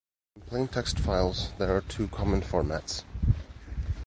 In plaintext files, there are two common formats.